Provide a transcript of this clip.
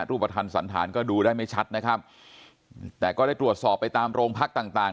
รูปภัณฑ์สันธารก็ดูได้ไม่ชัดนะครับแต่ก็ได้ตรวจสอบไปตามโรงพักต่างต่าง